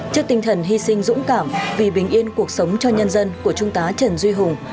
trước tinh thần hy sinh dũng cảm vì bình yên cuộc sống cho nhân dân của trung tá trần duy hùng